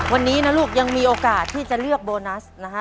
วันนี้นะลูกยังมีโอกาสที่จะเลือกโบนัสนะฮะ